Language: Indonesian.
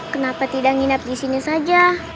kenapa tidak nginep disini saja